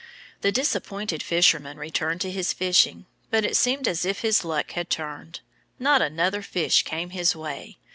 The disappointed fisherman returned to his fishing. But it seemed as if his luck had turned. Not another fish came his way.